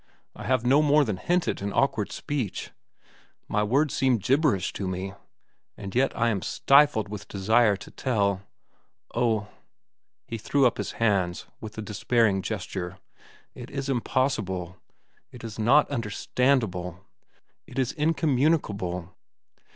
I have no more than hinted in awkward speech. My words seem gibberish to me. And yet I am stifled with desire to tell. Oh!—" he threw up his hands with a despairing gesture—"it is impossible! It is not understandable! It is incommunicable!"